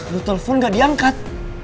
lo telpon gak diangkat